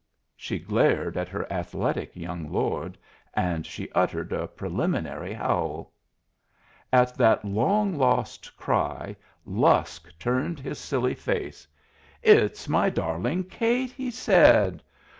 She glared at her athletic young lord, and she uttered a preliminary howl. At that long lost cry Lusk turned his silly face. "It's my darling Kate," he said.